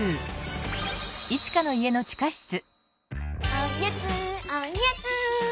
おやつおやつ！